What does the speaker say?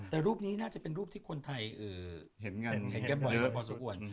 แต่รูปนี้น่าจะเป็นรูปที่คนไทยเห็นเยอะ